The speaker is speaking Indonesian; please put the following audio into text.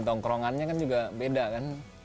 tongkrongannya kan juga beda kan